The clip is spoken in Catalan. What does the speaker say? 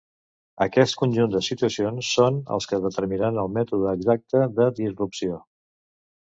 Aquest conjunt de situacions són els que determinaran el mètode exacte de disrupció.